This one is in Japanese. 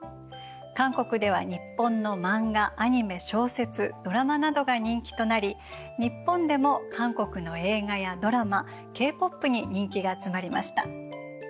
韓国では日本の漫画アニメ小説ドラマなどが人気となり日本でも韓国の映画やドラマＫ−ＰＯＰに人気が集まりました。